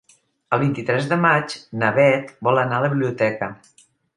El vint-i-tres de maig na Bet vol anar a la biblioteca.